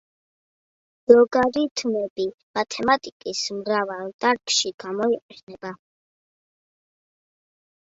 ლოგარითმები მათემატიკის მრავალ დარგში გამოიყენება.